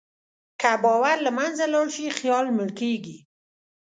که باور له منځه لاړ شي، خیال مړ کېږي.